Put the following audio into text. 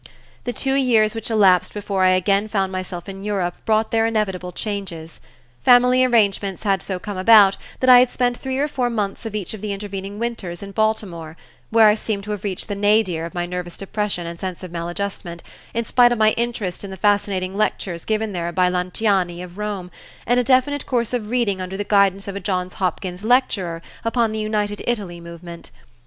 The two years which elapsed before I again found myself in Europe brought their inevitable changes. Family arrangements had so come about that I had spent three or four months of each of the intervening winters in Baltimore, where I seemed to have reached the nadir of my nervous depression and sense of maladjustment, in spite of my interest in the fascinating lectures given there by Lanciani of Rome, and a definite course of reading under the guidance of a Johns Hopkins lecturer upon the United Italy movement.